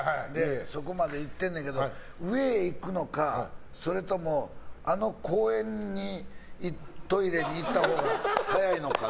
そこまで行ってるねんけど上へ行くのかそれともあの公園のトイレに行ったほうが早いのか。